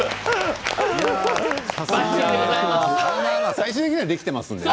最終的にはできていますからね。